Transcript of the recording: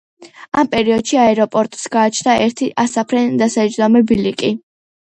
ამ პერიოდში აეროპორტს გააჩნდა ერთი ასაფრენ-დასაჯდომი ბილიკი.